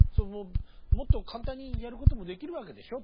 もっと簡単にやることもできるわけでしょ？